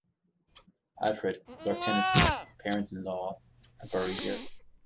Alfred, Lord Tennyson's parents-in-law are buried here.